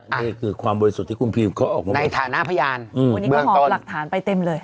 นี่คือความบริสุทธิ์ที่คุณพิวเขาออกมาในฐานะพยานวันนี้ก็หอบหลักฐานไปเต็มเลย